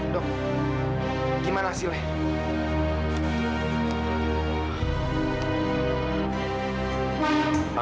dok gimana hasilnya